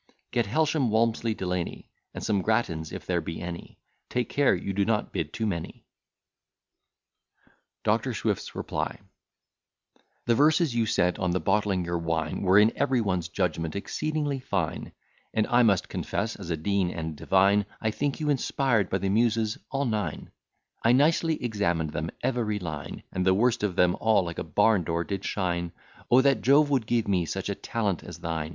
Get Helsham, Walmsley, Delany, And some Grattans, if there be any: Take care you do not bid too many. [Footnote 1: I.e. in Dublin, for they were country clergy. F.] DR. SWIFT'S REPLY The verses you sent on the bottling your wine Were, in every one's judgment, exceedingly fine; And I must confess, as a dean and divine, I think you inspired by the Muses all nine. I nicely examined them every line, And the worst of them all like a barn door did shine; O, that Jove would give me such a talent as thine!